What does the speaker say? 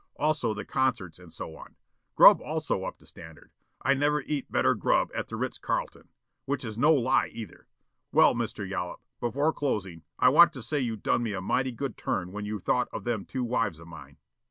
Also the concerts and so on. Grub also up to standard. I never eat better grub at the Ritz Carlton. Which is no lie either. Well, Mr. Yollop, before closing I want to say you done me a mighty good turn when you thought of them two wives of mine.